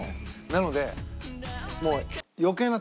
なのでもう。